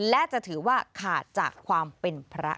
และจะถือว่าขาดจากความเป็นพระ